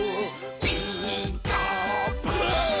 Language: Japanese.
「ピーカーブ！」